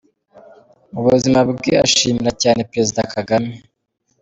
Mu buzima bwe ashimira cyane Perezida Kagame.